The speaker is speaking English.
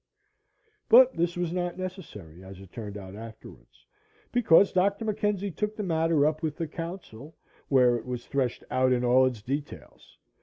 But this was not necessary, as it turned out afterwards, because Dr. McKenzie took the matter up with the council, where it was threshed out in all its details.